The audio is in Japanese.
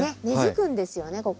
根づくんですよね